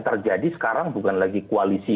terjadi sekarang bukan lagi koalisi